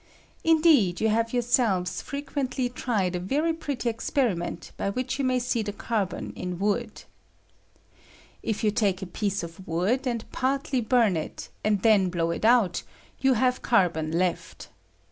Indeed, you have your selves frequently tried a very pretty experi ment, by which you may see the carbon in wood. If you take a piece of wood, and partly burn it, and then blow it out, you have carbon left.